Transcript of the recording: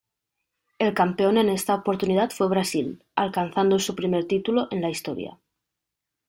El campeón en esta oportunidad fue Brasil, alcanzando su primer título en la historia.